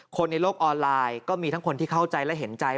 ในโลกออนไลน์ก็มีทั้งคนที่เข้าใจและเห็นใจ